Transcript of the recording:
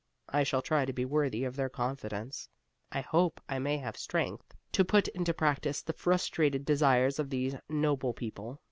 I shall try to be worthy of their confidence. I hope I may have strength to put into practice the frustrated desires of these noble people."